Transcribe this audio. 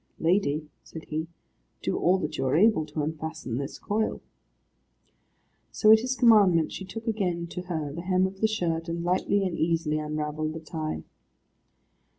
"Lady," said he, "do all that you are able to unfasten this coil." So at his commandment she took again to her the hem of the shirt, and lightly and easily unravelled the tie.